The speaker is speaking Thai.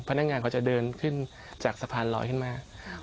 พนักงานเขาจะเดินขึ้นจากสะพานลอยขึ้นมา